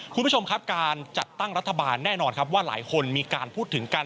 คุณผู้ชมครับการจัดตั้งรัฐบาลแน่นอนครับว่าหลายคนมีการพูดถึงกัน